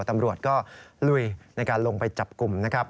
ตำรวจก็ลุยในการลงไปจับกลุ่ม